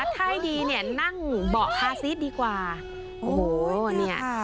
ถ้าให้ดีเนี่ยนั่งเบาะคาซีสดีกว่าโอ้โหเนี่ย